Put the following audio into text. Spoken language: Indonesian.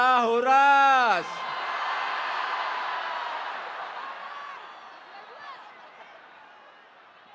dari jawa peribun ya apa kabar